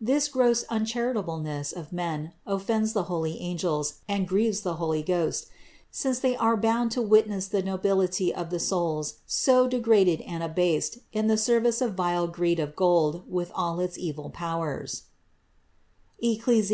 This gross uncharitableness of men offends the holy angels and grieves the Holy Ghost, since they are bound to witness the nobility of the souls so degraded and abased in the service of vile greed of gold with all its evil powers (Eccles.